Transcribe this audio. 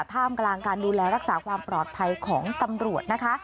ท่ามกลางการดูแลรักษาความปลอดภัยของตำรวจนะคะ